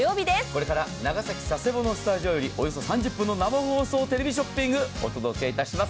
これから長崎・佐世保のスタジオよりおよそ３０分の「生放送テレビショッピング」お届けいたします。